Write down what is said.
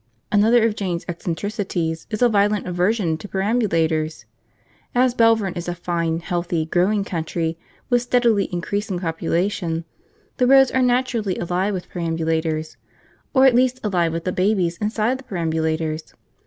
Another of Jane's eccentricities is a violent aversion to perambulators. As Belvern is a fine, healthy, growing country, with steadily increasing population, the roads are naturally alive with perambulators; or at least alive with the babies inside the perambulators.